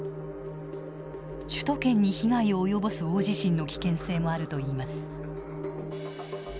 首都圏に被害を及ぼす大地震の危険性もあるといいます。